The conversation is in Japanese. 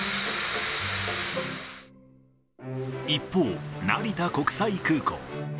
一方、成田国際空港。